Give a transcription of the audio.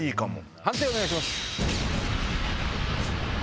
判定お願いします。